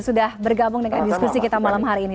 sudah bergabung dengan diskusi kita malam hari ini